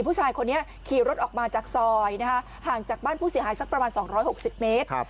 ผู้ชายคนนี้ขี่รถออกมาจากซอยห่างจากบ้านผู้เสียหายสักประมาณ๒๖๐เมตร